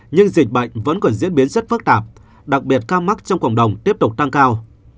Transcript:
nhưng dịch bệnh vẫn còn diễn biến rất phức tạp đặc biệt ca mắc trong cộng đồng tiếp tục tăng cao